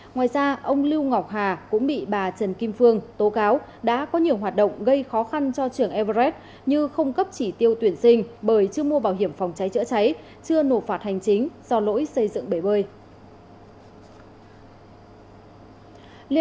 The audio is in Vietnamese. ngoài ra ông lưu ngọc hà cũng bị bà trần kim phương tố cáo đã có nhiều hoạt động gây khó khăn cho trường everres như không cấp chỉ tiêu tuyển sinh bởi chưa mua bảo hiểm phòng cháy chữa cháy chưa nộp phạt hành chính do lỗi xây dựng bể bơi